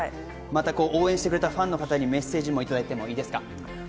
応援してくれたファンの方にもメッセージいただいてもよろしいですか？